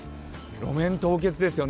路面凍結ですよね。